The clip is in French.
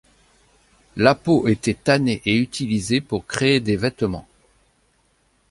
La peau était tannée et utilisée pour créer des vêtements.